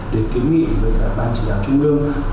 để kiến nghị với ban chỉ đạo trung ương